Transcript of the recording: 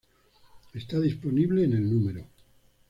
Está disponible en el No.